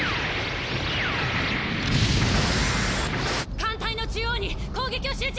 艦隊の中央に攻撃を集中！